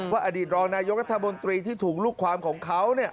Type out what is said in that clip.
ว่าอดีตรองนายกัธบนตรีที่ถูกลูกความของเขาเนี่ย